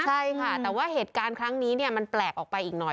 ใช่ค่ะแต่ว่าเหตุการณ์ครั้งนี้มันแปลกออกไปอีกหน่อย